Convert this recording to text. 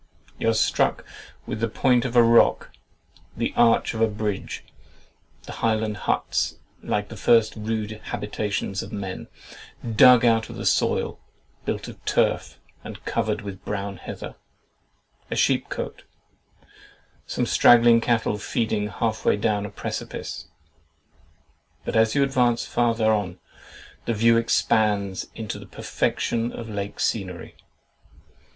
You are struck with the point of a rock, the arch of a bridge, the Highland huts (like the first rude habitations of men) dug out of the soil, built of turf, and covered with brown heather, a sheep cote, some straggling cattle feeding half way down a precipice; but as you advance farther on, the view expands into the perfection of lake scenery.